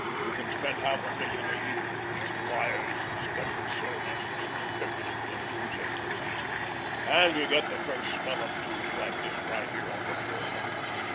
You can spend half a million a year in leased wires and special service and subscriptions to news agencies, and you get the first smell of news like this right here on the floor.